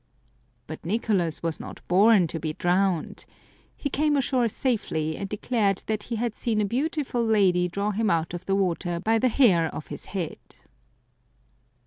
But Nicolas was not born to be drowned. He came ashore safely, and declared that he had seen a beautiful lady draw him out of the water by the hair of his head.